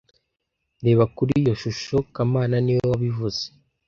Reba kuri iyo shusho kamana niwe wabivuze